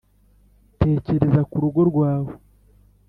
Tekereza ku rugo rwawe